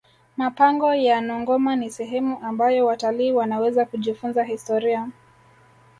mapango ya nongoma ni sehemu ambayo watalii wanaweza kujifunza historia